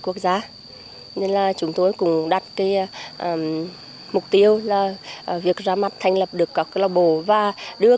quốc gia nên là chúng tôi cũng đặt mục tiêu là việc ra mặt thành lập được các câu lạc bộ và đưa